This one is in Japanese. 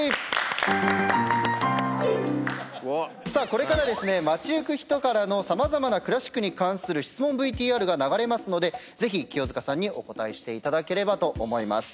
これから街行く人からの様々なクラシックに関する質問ＶＴＲが流れますのでぜひ清塚さんにお答えいただければと思います。